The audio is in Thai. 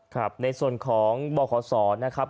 ครับในส่วนของบขศนะครับ